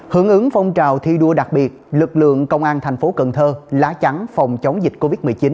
hưởng ứng phong trào thi đua đặc biệt lực lượng công an thành phố cần thơ lá trắng phòng chống dịch covid một mươi chín